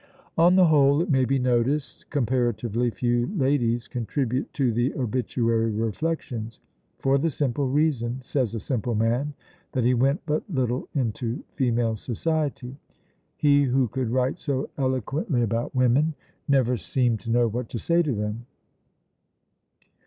On the whole, it may be noticed, comparatively few ladies contribute to the obituary reflections, "for the simple reason," says a simple man, "that he went but little into female society. He who could write so eloquently about women never seemed to know what to say to them.